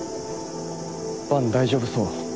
伴大丈夫そう？